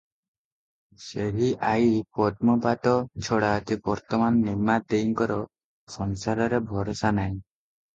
ସେହି ଆଈ ପଦ୍ମପାଦ ଛଡା ଯେ ବର୍ତ୍ତମାନ ନିମା ଦେଈଙ୍କର ସଂସାରରେ ଭରସା ନାହିଁ ।